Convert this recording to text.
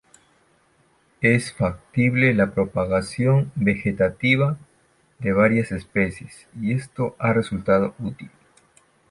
Es factible la propagación vegetativa de varias especies, y esto ha resultado útil.